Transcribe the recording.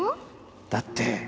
だって